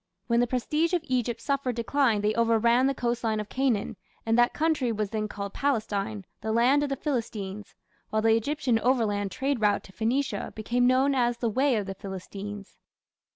When the prestige of Egypt suffered decline they overran the coastline of Canaan, and that country was then called Palestine, "the land of the Philistines", while the Egyptian overland trade route to Phoenicia became known as "the way of the Philistines".